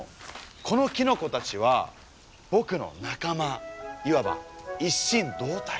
このキノコたちは僕の仲間いわば一心同体。